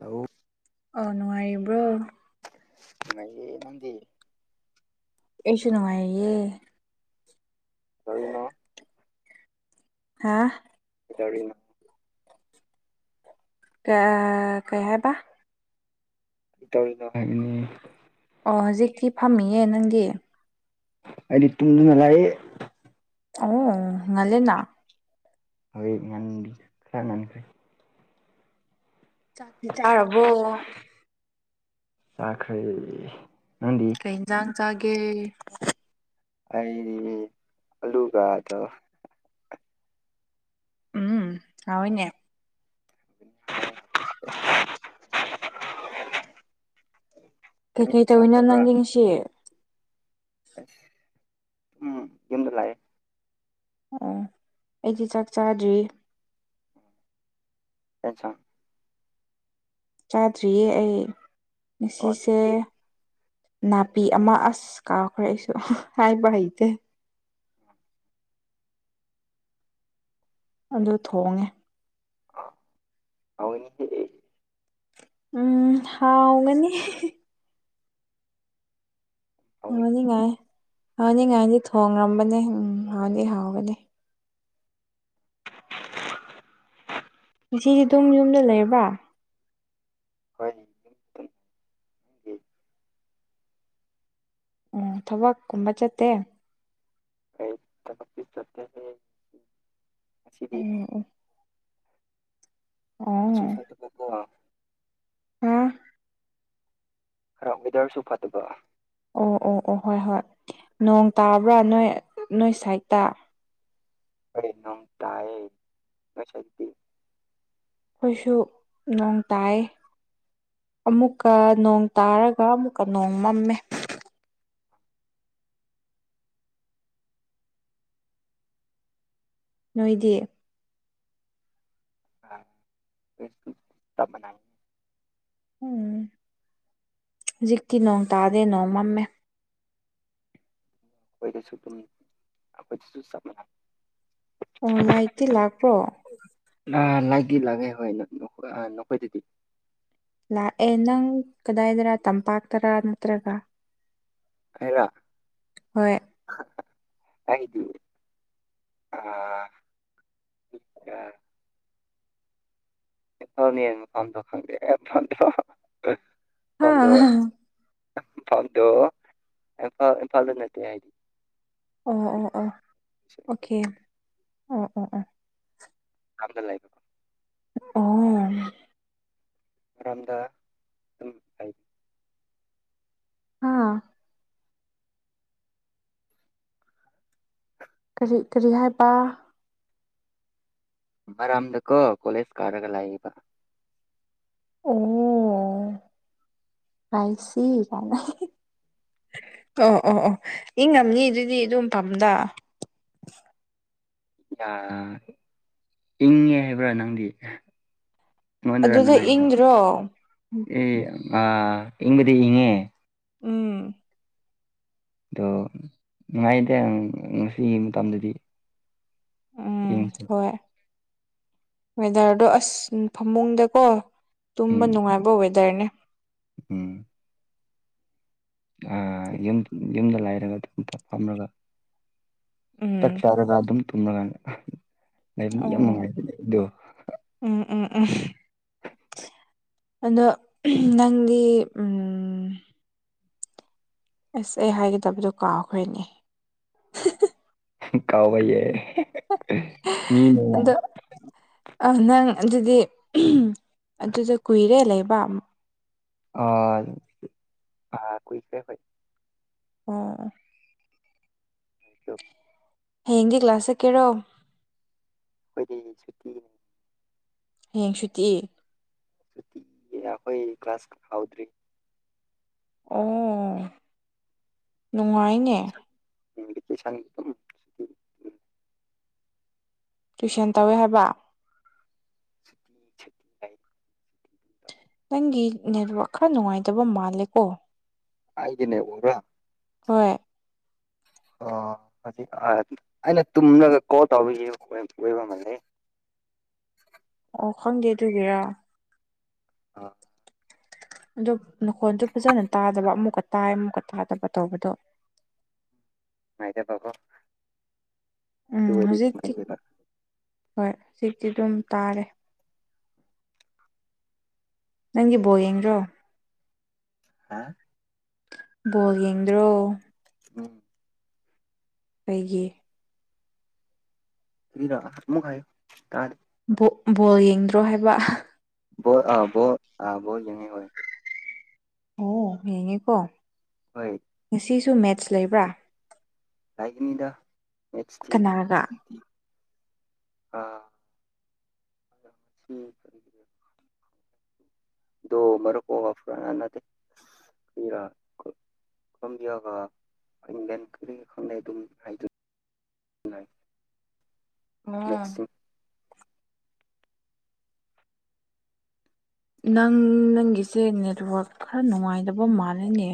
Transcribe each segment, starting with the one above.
Hello ꯑꯣ ꯅꯨꯡꯉꯥꯏꯔꯤꯕ꯭ꯔꯣ ꯅꯨꯉꯥꯏꯔꯤꯌꯦ ꯅꯪꯗꯤ ꯑꯩꯁꯨ ꯅꯨꯡꯉꯥꯏꯌꯦ ꯀꯩꯅꯣ ꯍꯥ ꯀꯗꯧꯔꯤꯅꯣ ꯀꯥ ꯀꯩ ꯍꯥꯏꯕ ꯇꯧꯔꯤꯅꯣ ꯍꯥꯏꯒꯅꯤ ꯑꯣ ꯍꯧꯖꯤꯛꯇꯤ ꯐꯝꯃꯤꯌꯦ ꯅꯪꯒꯤ ꯑꯩꯗꯤ ꯇꯨꯝꯅꯤꯡꯉ ꯂꯥꯌꯦ ꯑ ꯑꯣ ꯉꯂꯦꯅ ꯍꯧꯌꯤ ꯅꯪ ꯈꯔ ꯉꯟꯈ꯭ꯔꯦ ꯆꯥꯛꯇꯤ ꯆꯥꯔꯕꯣ ꯇꯈ꯭ꯔꯤ ꯅꯪꯗꯤ ꯀꯩ ꯏꯟꯖꯥꯡ ꯆꯥꯒꯦ ꯑꯩ ꯑꯂꯨꯒꯥꯗꯣ ꯎ ꯎꯝ ꯍꯥꯎꯢꯅꯦ ꯍꯣꯏ ꯅꯪꯗꯤ ꯀꯩꯀꯩ ꯇꯧꯋꯤꯅꯣ ꯆꯥꯈ꯭ꯔꯕ꯭ꯔꯥ ꯅꯪꯗꯤ ꯉꯁꯤ ꯎꯝ ꯌꯨꯝꯗ ꯂꯥꯏꯌꯦ ꯑꯣ ꯑꯩꯗꯤ ꯆꯥꯛ ꯆꯥꯗ꯭ꯔꯤ ꯑꯆꯥꯥ ꯆꯥꯗ꯭ꯔꯤꯌꯦ ꯑꯩ ꯑꯣ ꯉꯁꯤꯁꯦ ꯅꯥꯄꯤ ꯑꯃ ꯑꯁ ꯀꯥꯎꯈ꯭ꯔꯦ ꯑꯩꯁꯨ ꯍꯥꯏꯕ ꯍꯩꯇꯦ ꯑꯗꯨ ꯊꯣꯡꯉꯦ [unintelligible] ꯎꯝ ꯍꯥꯎꯒꯅꯤ ꯍꯥꯎꯒꯅꯤ ꯍꯥꯎꯅꯤꯡꯉꯥꯏ ꯍꯥꯎꯅꯤꯡꯉꯥꯏꯗꯤ ꯊꯣꯡꯡꯂꯝꯕꯅꯦ ꯎꯝ ꯍꯥꯎꯗꯤ ꯍꯥꯎꯒꯅꯤ ꯁꯤ ꯑꯗꯨꯝ ꯌꯨꯝꯗ ꯂꯩꯔꯕ꯭ꯔꯥ ꯍꯣꯏ ꯑꯣ ꯊꯕꯛ ꯀꯨꯝꯕ ꯆꯠꯇꯦ [inaudible] ꯑꯁꯤꯗꯤ ꯎꯝ ꯅ ꯑꯣ ꯁꯨꯐꯥꯏ [unintelligible] [unintelligible] ꯈꯔ ꯋꯦꯗꯔꯁꯨ ꯐꯠꯇꯕ ꯑꯣ ꯑꯣ ꯑꯣ ꯍꯣꯏ ꯍꯣꯏ ꯅꯣꯡ ꯇꯥꯕ꯭ꯔꯥ ꯅꯣꯏ ꯅꯣꯏ ꯁꯥꯏꯠꯇ ꯑꯩ ꯅꯣꯡ ꯇꯥꯢꯌꯦ ꯉꯁꯗꯤ ꯑꯩꯈꯣꯏꯁꯨ ꯅꯣꯡ ꯇꯥꯏꯌꯦ ꯑꯃꯨꯛꯀ ꯅꯣꯡ ꯇꯥꯔꯒ ꯑꯃꯨꯛꯀ ꯅꯣꯡ ꯃꯝꯃꯦ ꯅꯣꯏꯗꯤ [inaudible] ꯎꯝ ꯍꯧꯖꯤꯇꯤ ꯅꯣꯡ ꯇꯥꯗꯦ ꯅꯣꯡ ꯃꯝꯃꯦ ꯑꯩꯈꯣꯏꯗꯁꯨ ꯑꯗꯨꯝ ꯑꯩꯈꯣꯏꯗꯁꯨ ꯆꯞ ꯃꯥꯟꯅꯩ ꯑꯣ ꯂꯥꯏꯛꯇꯤ ꯂꯥꯛꯄ꯭ꯔꯣ ꯑ ꯂꯒꯦ ꯂꯥꯛꯦ ꯍꯣꯏ ꯅꯈꯣꯏꯗꯗꯤ ꯂꯥꯛꯑꯦ ꯅꯪ ꯀꯗꯥꯏꯗꯔ ꯇꯝꯄꯥꯛꯇꯔꯥ ꯅꯠꯇ꯭ꯔꯒ ꯍꯥꯏꯗ [unintelligible] ꯍꯣꯏ ꯍꯥꯏꯗꯤ ꯑꯥ [unintelligible] ꯏꯝꯐꯥꯜꯗꯣ ꯍꯥ ꯏꯐꯥ ꯏꯝꯐꯥꯜꯗ ꯅꯠꯇꯦ ꯍꯥꯏꯗꯤ ꯑꯣ ꯑꯣ ꯑꯣ ꯏꯝꯐꯥꯜꯗ ꯑꯣꯀꯦ ꯅꯠꯇꯦ ꯑꯣ ꯑꯣ ꯑꯣ ꯑꯝꯗ ꯂꯩ ꯑꯣ ꯃꯔꯝꯗ ꯑꯗꯨꯝ ꯍꯥꯏꯕꯤ ꯑꯥ ꯀꯔꯤ ꯀꯔꯤ ꯍꯥꯏꯕ ꯃꯔꯝꯗꯥꯀꯣ ꯀꯣꯂꯦꯖ ꯀꯔꯒꯥ ꯂꯩꯌꯦꯕ ꯑꯣ ꯑꯥꯏꯁꯤ [unintelligible] ꯑꯣ ꯑꯣ ꯑꯣ ꯏ ꯉꯝꯅꯤ ꯑꯗꯨꯗꯤ ꯑꯗꯨꯝ ꯄꯥꯝꯗ ꯌꯥ ꯏꯪꯉꯦ ꯍꯥꯏꯕ꯭ꯔꯥ ꯅꯪꯗꯤ ꯃꯗ ꯔꯟ ꯑꯗꯨꯗ ꯍꯥꯏ ꯏꯪꯗ꯭ꯔꯣ ꯑꯦ ꯑ ꯏꯕꯨꯗꯤ ꯏꯉꯦ ꯎꯝ ꯑꯗꯣ ꯅꯨꯡꯉꯥꯏꯗꯦ ꯉꯁꯤꯒꯤ ꯃꯇꯝꯗꯗꯤ ꯎꯝ ꯏꯪꯁꯨ ꯍꯣꯏ ꯋꯦꯗꯔꯗꯣ ꯑꯁ ꯐꯃꯨꯡꯗꯀꯣ ꯇꯨꯝꯕ ꯎꯝ ꯅꯨꯡꯉꯥꯏꯕ ꯋꯦꯗꯔꯅꯦ ꯎꯝ ꯌꯨꯝ ꯌꯨꯝꯗ ꯂꯥꯏꯔꯒ ꯑꯗꯨ ꯑꯝꯇ ꯐꯝꯂꯒ ꯆꯥꯛ ꯎꯝ ꯆꯥꯔꯒ ꯑꯗꯨꯝ ꯇꯨꯝꯃꯒꯥꯟ ꯂꯩꯕꯅꯤ ꯌꯥꯝ ꯑꯣ ꯅꯨꯡꯉꯥꯏꯖꯅꯦ ꯑꯗꯣ ꯎꯝ ꯎꯝ ꯎꯥ ꯑꯗꯣ ꯅꯪꯗꯤ ꯎꯝ ꯑꯁ ꯑꯩ ꯍꯥꯏꯒꯗꯕꯗꯣ ꯀꯥꯎꯈꯔ꯭ꯦꯅꯦ ꯀꯥꯎꯕꯩꯌꯦ ꯃꯤꯅ ꯌꯥꯝ ꯑ ꯅꯪ ꯑꯗꯨꯗꯤ ꯑꯗꯨꯗ ꯀꯨꯏꯔꯦ ꯂꯩꯕ ꯑ ꯑ ꯀꯨꯣꯏꯔꯦ ꯀꯩ ꯑꯣ ꯍꯩꯇꯨꯞ ꯍꯌꯦꯡꯗꯤ ꯀ꯭ꯂꯥꯁ ꯆꯠꯀꯦꯔꯣ ꯑꯩꯈꯣꯏꯗꯤ ꯍꯌꯦꯡ ꯁꯨꯇꯤ ꯍꯌꯦꯡ ꯁꯨꯇꯤ ꯁꯨꯇꯤꯅꯤꯅ ꯑꯈꯣꯏ ꯀ꯭ꯂꯥꯁ ꯍꯧꯗ꯭ꯔꯤ ꯑꯣ ꯅꯨꯡꯉꯥꯏꯅꯦ ꯅꯣꯏꯗꯤ ꯇꯨꯏꯁꯟ ꯑꯗꯨꯝ ꯁꯨꯇꯤ ꯇꯨꯏꯁꯟ ꯇꯧꯋꯦ ꯍꯥꯏꯕ [inaudible] ꯅꯪꯒꯤ ꯅꯦꯠꯋꯥꯛ ꯈꯔ ꯅꯨꯡꯉꯥꯏꯇꯕ ꯃꯥꯜꯂꯦ ꯀꯣ ꯑꯩꯒꯤ ꯅꯦꯠꯋꯥꯛꯔꯥ ꯍꯣꯏ ꯑꯣ ꯍꯧꯖꯤꯛ ꯑ ꯑꯩꯅ ꯇꯨꯝꯂꯒ ꯀꯣꯜ ꯇꯧꯕꯒꯤ ꯑꯣꯏ ꯑꯣꯏꯕ ꯃꯥꯜꯂꯦ ꯑꯣ ꯈꯪꯗꯦ ꯑꯗꯨꯒꯤꯔꯥ ꯑ ꯑꯗꯨꯞ ꯅꯈꯣꯟꯗꯨ ꯐꯖꯅ ꯇꯥꯗꯕ ꯑꯃꯨꯛꯀ ꯇꯥꯏ ꯑꯃꯨꯛꯀ ꯇꯥꯗꯕ ꯇꯧꯕꯗꯣ ꯃꯥꯥꯏꯗ ꯄꯥꯎꯀꯣ ꯎꯝ ꯍꯧꯖꯤꯛꯇꯤ ꯅꯨꯡꯉꯥꯏꯇꯦꯕ ꯍꯣꯏ ꯍꯧꯖꯤꯛꯇꯤ ꯑꯗꯨꯝ ꯇꯥꯔꯦ ꯅꯪꯒꯤ ꯕꯣꯜ ꯌꯦꯡꯗ꯭ꯔꯣ ꯍꯥꯥ ꯕꯣꯜ ꯌꯦꯡꯗ꯭ꯔꯣ ꯎꯝ ꯀꯩꯒꯤ ꯀꯔꯤꯔꯥ ꯑꯃꯨꯛ ꯍꯥꯏꯌꯨ ꯇꯥꯗꯦ ꯕꯣꯛ ꯕꯣꯜ ꯌꯦꯡꯗ꯭ꯔꯣ ꯍꯥꯏꯕ ꯕꯣꯜ ꯑ ꯕꯣꯜ ꯑ ꯕꯣꯜ ꯌꯦꯡꯉꯦ ꯍꯣꯏ ꯑꯣ ꯌꯦꯡꯉꯦꯀꯣ ꯍꯣꯏ ꯉꯁꯤꯁꯨ ꯃꯦꯠꯁ ꯂꯩꯕ꯭ꯔꯥ ꯂꯩꯒꯅꯤꯗ ꯃꯤꯦꯠꯁꯇꯤ ꯀꯅꯥꯒ ꯍꯧꯖꯤꯛꯇꯤ ꯑꯥ ꯗꯣ ꯃꯔꯨꯞ ꯑꯣꯕ ꯐ꯭ꯔꯥꯟ ꯅꯠꯇꯦ ꯀꯔꯤꯔꯥ ꯊꯝꯃꯤꯌꯥꯒ ꯍꯡꯗꯦꯟ ꯀꯔꯤꯒꯤ ꯈꯪꯗꯦ ꯑꯗꯨꯝ ꯍꯥꯏꯗꯨꯅꯤ [unintelligible] ꯑꯣ ꯃꯦꯠꯁꯁꯤꯡ ꯅꯪ ꯅꯪꯒꯤꯁꯦ ꯅꯦꯠꯋꯥꯛ ꯈꯔ ꯅꯨꯡꯉꯥꯏꯇꯕ ꯃꯥꯜꯂꯦꯅꯦ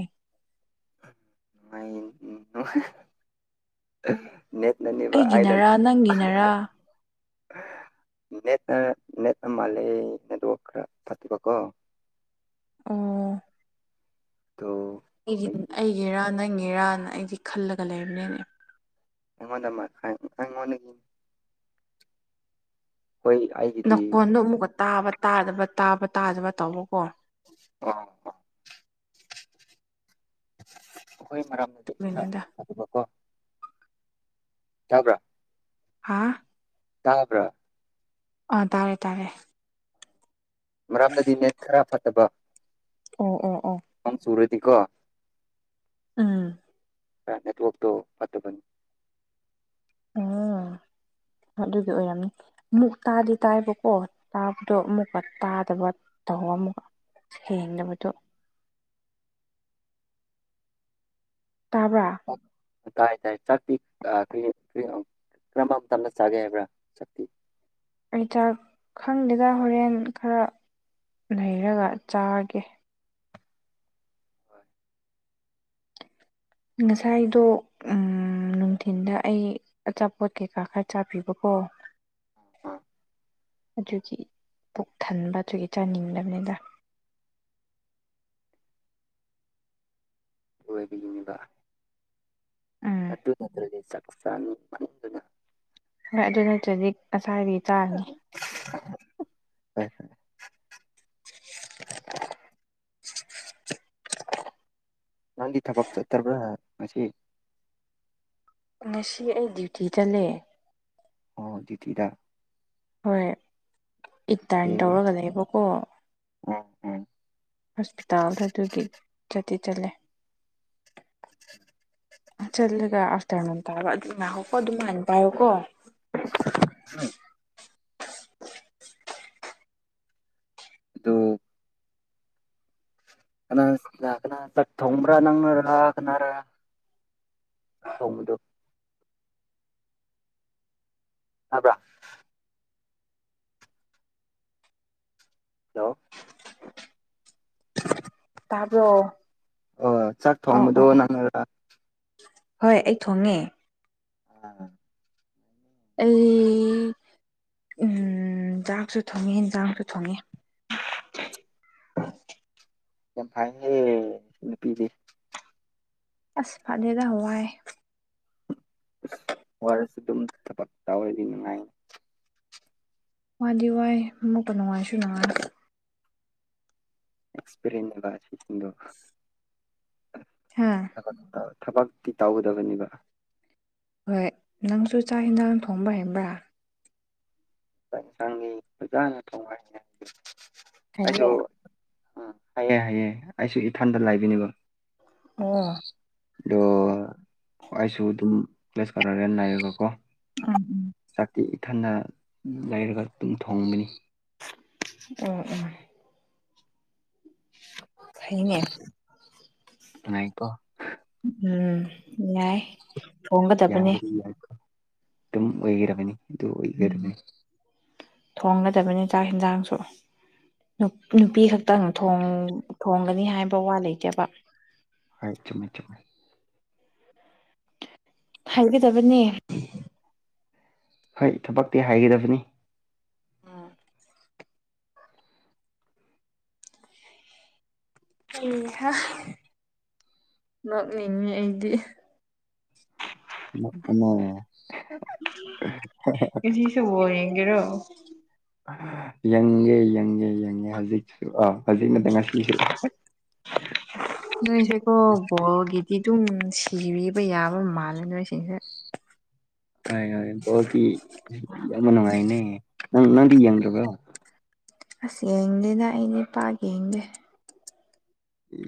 [unintelligible] ꯅꯦꯠꯅꯅꯦꯕ ꯑꯩꯅ ꯑꯩꯒꯤꯅꯔꯥ ꯅꯪꯒꯤꯅꯔꯥ ꯅꯦꯠ ꯅ ꯅꯦꯠꯅ ꯃꯥꯜꯂꯦ ꯅꯦꯠꯋꯥꯛ ꯈꯔ ꯐꯠꯇꯕꯀꯣ ꯑꯣ ꯇꯣ ꯑꯩꯒꯤꯟ ꯑꯩꯒꯤꯔꯥ ꯅꯪꯒꯤꯔꯥꯅ ꯑꯩꯗꯤ ꯈꯜꯂꯒ ꯂꯩꯕꯅꯤꯅꯦ ꯑꯩꯉꯣꯟꯗ ꯃꯥꯟꯐꯥꯏ ꯅꯪꯉꯣꯟꯗꯒꯤ ꯍꯣꯏ ꯑꯩ ꯅꯈꯣꯟꯗꯣ ꯑꯃꯨꯛꯀ ꯇꯥꯕ ꯇꯥꯗꯕ ꯇꯥꯕ ꯇꯥꯗꯕ ꯇꯧꯕꯀꯣ ꯑꯣ ꯍꯈꯣꯏ ꯃꯔꯥꯡ ꯂꯤ ꯈ ꯑꯗꯨꯒꯤꯅꯤꯗ ꯅꯦꯊꯗꯕꯀꯣ ꯇꯕ꯭ꯔꯥ ꯍꯥꯥ ꯇꯥꯕ꯭ꯔꯥ ꯑꯥ ꯇꯥꯔꯦ ꯇꯥꯔꯦ ꯃꯔꯝꯗꯗꯤ ꯅꯦꯠ ꯈꯔ ꯐꯠꯇꯕ ꯑꯣ ꯑꯣ ꯑꯣ ꯝ ꯁꯨꯔꯗꯤ ꯀꯣ ꯎꯥ ꯅꯦꯠꯋꯥꯛꯇꯣ ꯐꯠꯇꯕꯅꯤ ꯎꯝ ꯑꯗꯨꯗꯤ ꯑꯣꯏꯔꯝꯅꯤ ꯑꯃꯨꯛ ꯇꯥꯗꯤ ꯇꯥꯏꯕꯀꯣ ꯇꯥꯕꯗꯣ ꯑꯃꯨꯛꯀ ꯇꯥꯗꯕ ꯇꯧ ꯑꯃꯨꯛꯀ ꯍꯦꯡ ꯅꯕꯗꯨ ꯇꯥꯕ꯭ꯔꯥ ꯇꯥꯏ ꯇꯥꯏ ꯆꯥꯛꯇꯤ ꯀ ꯀ ꯀ꯭ꯔꯃ ꯊꯅ ꯆꯥꯒꯦ ꯌꯥꯝ꯭ꯔ ꯁꯛꯇꯤ ꯑꯩ ꯆꯥꯛ ꯈꯪꯗꯦꯗ ꯍꯣꯔꯦꯟ ꯈꯔ ꯂꯩꯔꯒ ꯆꯥꯒꯦ ꯉꯁꯥꯏꯗꯣ ꯅꯨꯡꯊꯤꯤꯟꯗ ꯑꯩ ꯑꯆꯥꯄꯣꯠ ꯀꯩꯀꯥ ꯈꯔ ꯆꯥꯕꯤꯕꯀꯣ ꯑꯣ ꯍ ꯑꯗꯨꯒꯤ ꯄꯨꯛ ꯊꯟꯕ ꯑꯗꯨꯒꯤ ꯆꯥꯅꯤꯡꯗꯕꯅꯤꯗ ꯑꯣꯏꯕꯤ ꯌꯦꯡꯉꯕ ꯎꯝ ꯑꯗꯨ ꯅꯠꯇ꯭ꯔꯗꯤ ꯆꯥꯛꯆꯥꯥ ꯃꯤ ꯃꯅꯨꯡꯗꯨꯅ ꯍꯣꯏ ꯑꯗꯨ ꯅꯠꯇ꯭ꯔꯖꯤ ꯑꯁꯥꯏꯕꯤ ꯇꯥꯔꯅꯤ ꯍ [unintelligible] ꯅꯥꯟꯗꯤ ꯊꯕꯛ ꯆꯠꯠꯇ꯭ꯔꯕ꯭ꯔꯥ ꯃꯁꯤꯁꯤ ꯉꯁꯤ ꯑꯩ ꯗ꯭ꯌꯨꯇꯤ ꯆꯠꯂꯦ ꯑꯣꯤꯗꯤꯤꯗ ꯍꯣꯏ ꯏꯇꯥꯔꯟ ꯑꯣꯀꯦ ꯇꯧꯔꯒ ꯂꯩꯕꯀꯣ ꯑꯣ ꯎꯝ ꯍꯣꯁꯄꯤꯇꯥꯜ ꯑꯗꯨꯒꯤ ꯆꯗꯤꯤ ꯆꯠꯂꯦ ꯆꯠꯂꯦꯒ ꯑꯐꯇꯔꯅ ꯅ ꯇ ꯑꯗꯨ ꯑꯗꯨ ꯀ ꯑꯗꯨꯅꯅ ꯄꯣ ꯀꯣ ꯍ ꯑꯗꯨ ꯀꯅꯥ ꯀꯅꯥ ꯆ ꯊꯣꯡꯕ꯭ꯔꯥ ꯅꯪꯅꯔ ꯀꯅꯥꯔ ꯊꯗꯣ ꯑꯕ ꯍꯜꯂꯣ ꯇꯔꯕꯣ ꯑꯣ ꯆꯥꯛ ꯊꯣꯡꯕꯗꯣ ꯅꯪꯅꯔ ꯍꯣꯏ ꯑꯩ ꯊꯣꯡꯉꯦ ꯑꯣ ꯑꯩ ꯎꯝ ꯆꯥꯛꯁꯨ ꯊꯣꯡꯉꯦ ꯌꯦꯟꯖꯥꯡꯁꯨ ꯊꯣꯡꯉꯦ ꯌꯥꯝ ꯐꯥꯏꯍꯦ ꯅꯨꯄꯤꯁꯦ ꯑꯁ ꯐꯗꯦꯗ ꯍꯋꯥꯦ ꯑꯁ ꯑꯣꯏꯔꯁꯨ ꯑꯗꯨꯝ ꯊꯕꯛ ꯇꯧꯔꯗꯤ ꯅꯨꯡꯉꯥꯏꯅꯤ ꯋꯥꯗꯤ ꯋꯥꯏ ꯃꯛꯇ ꯅꯨꯡꯉꯥꯏꯁꯨ ꯅꯨꯡꯉꯥꯏ ꯑꯦꯟ ꯍꯥꯥ ꯊꯕꯛꯇꯤ ꯇꯧꯒꯗꯕꯅꯦꯕ ꯍꯣꯏ ꯅꯪꯁꯨ ꯆꯥꯛ ꯌꯦꯟꯁꯥꯡ ꯊꯣꯡꯕ ꯍꯕ꯭ꯔꯥ ꯆꯥꯛ ꯌꯦꯟꯁꯥꯡꯒꯤ ꯐꯖꯅ ꯊꯣꯡꯉꯥꯏ ꯍꯥꯏ ꯑꯩꯁꯨ ꯍꯩꯌꯦ ꯎ ꯍꯥꯏꯑꯦ ꯍꯥꯏꯑꯦ ꯑꯩꯁꯨ ꯏꯊꯥꯟꯗ ꯂꯥꯏꯕꯤꯅꯦꯕ ꯑꯣ ꯑꯗꯣ ꯑꯩꯁꯨ ꯑꯗꯨꯝ ꯄ꯭ꯂꯦꯁ ꯀꯧꯔꯒꯦꯅ ꯅꯥꯏꯌꯦꯒꯀꯣ ꯆꯥꯛꯇꯤ ꯏꯊꯅ ꯂꯩꯔꯒ ꯑꯗꯨꯝ ꯊꯣꯡꯕꯅꯤ ꯑꯣ ꯑꯣ ꯍꯥꯏꯅꯦ ꯅꯨꯡꯉꯥꯏꯀꯣ ꯎꯝ ꯌꯥꯏ ꯌꯥꯝ ꯊꯣꯡꯒꯗꯕꯅꯦ ꯑꯣꯏꯩꯔꯃꯅꯤ ꯑꯗꯨ ꯑꯣꯏꯔꯅꯤ ꯊꯣꯡꯒꯗꯕꯅꯤ ꯆꯥꯛ ꯌꯦꯟꯁꯥꯡꯁꯨ ꯅꯨꯄꯤ ꯈꯛꯇꯪ ꯊꯣꯡꯒꯅꯤ ꯍꯥꯏꯕ ꯋꯥ ꯂꯩꯇꯦꯕ ꯑꯩ ꯆ ꯃꯥꯏ ꯆꯃꯦ ꯍꯥꯏꯒꯗꯕꯅꯦ ꯍꯣꯏ ꯊꯕꯛꯇꯤ ꯍꯥꯏꯒꯗꯕꯅꯤ ꯍꯥꯏ ꯅꯣꯛꯅꯤꯡꯉꯤ ꯑꯩꯗꯤ [unintelligible] ꯀꯁꯨ ꯑꯣꯏ ꯌꯦꯡꯒꯦꯔꯣ ꯌꯦꯡꯉꯦ ꯌꯦꯡꯉꯦ ꯌꯦꯡꯉꯦ ꯍꯧꯖꯤꯛꯁꯨ ꯑꯥ ꯍꯧꯖꯤꯛꯅꯗꯤ ꯉꯁꯤꯁꯨ [unintelligible] ꯅꯣꯏꯁꯦꯀꯣ ꯕꯣꯜꯒꯤꯗꯤ ꯑꯗꯨꯝ ꯁꯤꯔꯤꯕ ꯌꯥꯕ ꯃꯥꯜꯂꯦ ꯅꯣꯏꯁꯤꯡꯁꯦ ꯍꯣꯏ ꯍꯣꯏ ꯕꯣꯗꯤ ꯌꯥꯝꯅ ꯅꯨꯡꯉꯥꯏꯅꯦ ꯅꯪ ꯅꯪꯗꯤ ꯌꯦꯡꯗ꯭ꯔꯕ꯭ꯔꯣ ꯑꯁ ꯌꯦꯡꯗꯦꯅ ꯑꯩꯩꯅ ꯏꯄꯥ ꯌꯦꯡꯗꯦ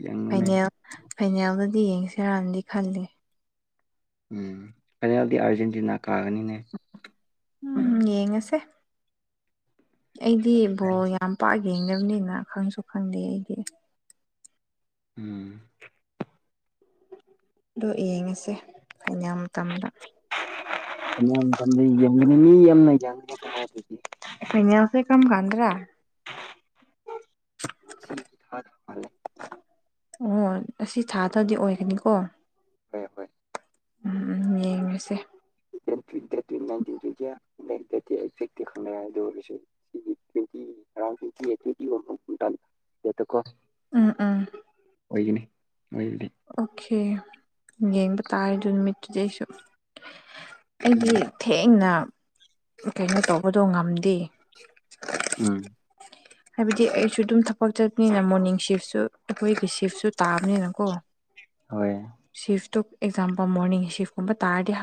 ꯌꯦꯡꯉꯨꯅꯦ ꯐꯅꯦꯜ ꯐꯥꯏꯅꯦꯜꯗꯗꯤ ꯌꯦꯡꯁꯤꯔꯝꯗꯤ ꯈꯜꯂꯦ ꯎꯝ ꯐꯥꯏꯅꯦꯜꯗꯤ ꯑꯥꯔꯖꯦꯟꯇꯤꯅꯥ ꯀꯥꯒꯅꯤꯅꯦ ꯎꯝ ꯌꯦꯡꯉꯁꯦ ꯑꯩꯗꯤ ꯕꯣ ꯌꯥꯝ ꯄꯥꯛ ꯌꯦꯡꯗꯕꯅꯤꯅ ꯈꯪꯁꯨ ꯈꯪꯗꯦ ꯑꯩꯗꯤ ꯎꯝ ꯑꯗꯣ ꯌꯦꯡꯉꯁꯦ ꯑꯩꯅ ꯃꯇꯝꯗ ꯌꯥꯝ ꯌꯦ ꯐꯩꯅꯗꯤ ꯀꯌꯥꯁꯦ ꯀꯃ ꯀꯥꯟꯗ꯭ꯔꯥ ꯊꯥ ꯊꯦ ꯑꯣ ꯑꯁꯤ ꯊꯥꯗ꯭ꯔꯗꯤ ꯑꯣꯏꯒꯅꯤꯀꯣ ꯍꯣꯏ ꯍꯣꯏ ꯎꯝ ꯎ ꯌꯦꯡꯉꯁꯦ ꯛꯇꯪ ꯑꯗꯨ ꯑꯣꯏ ꯇ꯭ꯋꯦꯟꯇꯤ ꯑꯔꯥꯎꯟ ꯇ꯭ꯋꯦꯟꯇꯤ ꯑꯩꯠ ꯇ꯭ꯋꯦꯟꯇꯤꯦꯠꯇꯀꯣ ꯎꯝ ꯎꯝ ꯑꯣꯏꯒꯅꯤ ꯑꯣꯏꯕꯅꯤ ꯑꯣꯀꯦ ꯌꯦꯡꯕ ꯇꯥꯔ ꯑꯗꯨ ꯅꯨꯃꯤꯠꯇꯨꯗꯤ ꯑꯩ ꯁꯨꯝ ꯑꯩꯗꯤ ꯊꯦꯡꯅ ꯀꯩꯅꯣ ꯇꯧꯕꯗꯣ ꯉꯝꯗꯦ ꯎꯝ ꯍꯥꯏꯕꯗꯤ ꯑꯩꯁꯨ ꯑꯗꯨꯝ ꯊꯄꯛ ꯆꯠꯄꯅꯤꯅ ꯃꯣꯔꯅꯤꯡ ꯁꯤꯐꯁꯨ ꯑꯩꯈꯣꯏꯒꯤ ꯁꯤꯐꯁꯨ ꯇꯥꯕꯅꯤꯅꯀꯣ ꯍꯣꯏ ꯁꯤꯤꯐꯇꯨ ꯑꯦꯛꯖꯥꯝꯄꯜ ꯃꯣꯔꯅꯤꯡ ꯁꯤꯤꯐꯀꯨꯝꯕ ꯇꯔꯗꯤ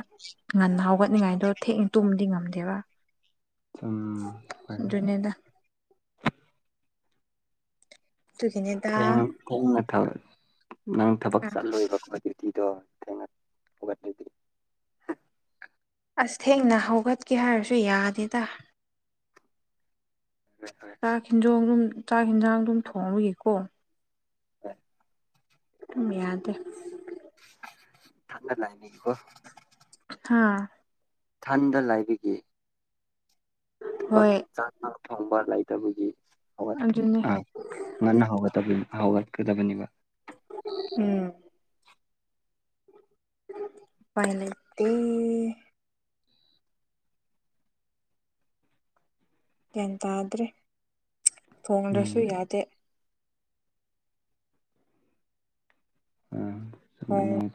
ꯉꯟꯅ ꯍꯧꯒꯠꯅꯤꯡꯉꯥꯏꯗꯣ ꯊꯦꯡꯅ ꯇꯨꯝꯕꯗꯤ ꯉꯝꯗꯦꯕ ꯎꯝ ꯍꯣꯏ ꯑꯗꯨꯅꯦꯗ ꯇꯣꯏ ꯀ ꯑ ꯊꯦꯡꯅ ꯅꯪ ꯊꯕꯛ ꯆꯠꯂꯣꯏꯕ ꯀ꯭ꯋꯥꯇꯇꯤꯗꯣ ꯊꯦꯡꯅ ꯍꯧꯒꯠꯂꯗꯔꯤ ꯑꯁ ꯊꯦꯡꯅ ꯍꯧꯒꯠꯀꯦ ꯍꯥꯏꯔꯁꯨ ꯌꯥꯗꯦꯗ ꯆꯥꯛ ꯍꯦꯟꯖꯥꯡ ꯑꯗꯨꯝ ꯆꯥꯛ ꯌꯦꯟꯖꯥꯡ ꯑꯗꯨꯝ ꯊꯣꯡꯕꯒꯤꯀꯣ ꯍꯣꯏ ꯇꯨꯝꯕ ꯌꯥꯗꯦ ꯈꯥꯛꯂꯅꯤꯀꯣ ꯍꯥꯥ ꯏꯊꯟꯗ ꯂꯩꯥꯔꯤ ꯊꯕꯛ ꯍꯣꯏ ꯆꯥꯊꯣꯛꯅꯕ ꯂꯩꯇꯕꯒꯤ ꯍꯧꯒꯠ ꯑꯗꯨꯅꯦ ꯫ ꯑꯥ ꯉꯟꯅ ꯍꯧꯒꯕꯅꯤ ꯍꯧꯒꯠꯀꯗꯕꯅꯤꯕ ꯎꯝ ꯎꯄꯥꯏ ꯂꯩꯇꯦ ꯒ꯭ꯌꯥꯟ ꯇꯥꯗ꯭ꯔꯦ ꯎꯝ ꯊꯣꯡꯗ꯭ꯔꯁꯨ ꯌꯥꯗꯦ ꯎꯝ ꯍꯣꯏ